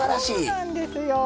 そうなんですよ。